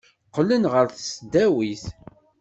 Qqlen ɣer tesdawit.